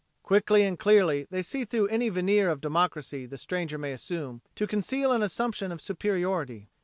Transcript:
Quickly and clearly they see through any veneer of democracy the stranger may assume, to conceal an assumption of superiority.